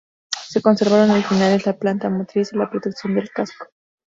Se conservaron originales la planta motriz y la protección del casco.